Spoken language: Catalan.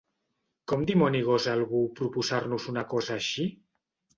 Com dimoni gosa algú proposar-nos una cosa així?